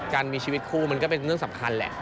การมีชีวิตคู่มันก็เป็นเรื่องสำคัญแหละ